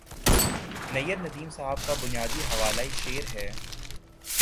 نیّرندیم صاحب کا بنیادی حوالہ شعر ہے